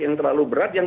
yang terlalu berat yang